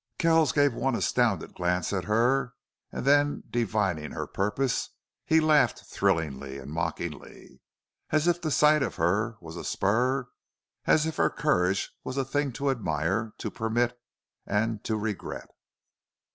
Kells gave one astounded glance at her, and then, divining her purpose, he laughed thrillingly and mockingly, as if the sight of her was a spur, as if her courage was a thing to admire, to permit, and to regret.